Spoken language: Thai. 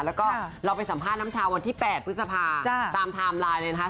แล้วก็เราไปสัมภาษณ์น้ำชาวันที่๘พฤษภาตามไทม์ไลน์เลยนะคะ